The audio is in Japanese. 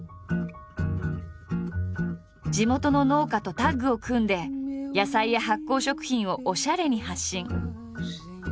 地元の農家とタッグを組んで野菜や発酵食品をおしゃれに発信。